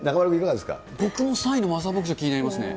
僕も３位のマザー牧場、気になりますね。